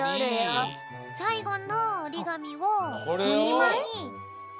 さいごのおりがみをすきまにいれるんだ。